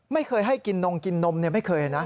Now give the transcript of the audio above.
ไม่เคยให้กินนมกินนมไม่เคยนะ